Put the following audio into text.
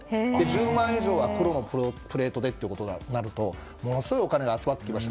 １０万円以上は黒のプレートでということをやったらものすごいお金が集まってきます。